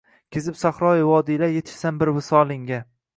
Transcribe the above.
Kezib sahroyu vodiylar yetishsam bir visolingga